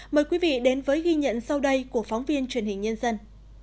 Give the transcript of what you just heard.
mời quý vị đến với ghi nhận sau đây của phóng viên truyền hình nhân dân